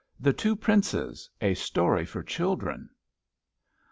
THE TWO PRINCES. A STORY FOR CHILDREN.